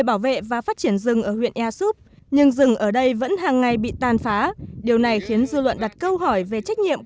bảo vệ và phát triển rừng ở huyện airsub nhưng rừng ở đây vẫn hàng ngày bị tàn phá điều này khiến